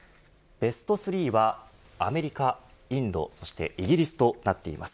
ベスト３はアメリカ、インドそしてイギリスとなっています。